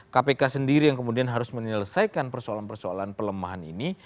kpk sendiri yang kemudian harus menyelesaikan persoalan persoalan pelemahan ini